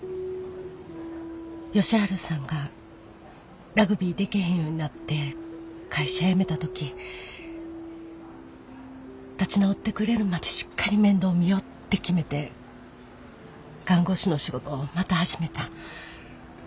佳晴さんがラグビーでけへんようになって会社辞めた時立ち直ってくれるまでしっかり面倒見よって決めて看護師の仕事また始めた。